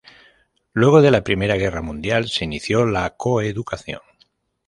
Luego de la primera Guerra Mundial se inició la coeducación.